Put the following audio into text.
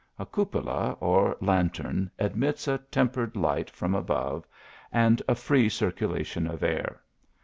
A cupola or lantern admits a tempered fight from above, and a f ee circulation of air.